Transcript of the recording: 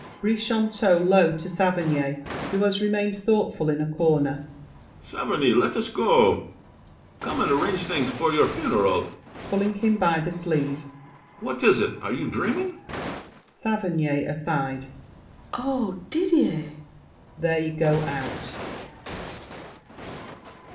BRICHANTEAU (low to Saverny, who has remained thoughtful in a corner). Saverny, let us go! Come and arrange things for your funeral! [Pulling him by the sleeve. What is it? Are you dreaming? SAVERNY (aside). Oh, Didier! [They go out.